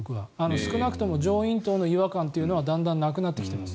少なくとも上咽頭の違和感というのはだんだんなくなってきています。